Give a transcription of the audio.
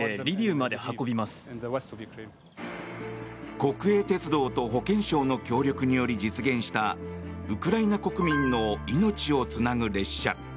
国営鉄道と保健省の協力により実現したウクライナ国民の命をつなぐ列車。